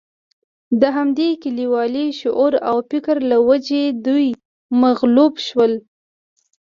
د همدې کلیوالي شعور او فکر له وجې دوی مغلوب شول.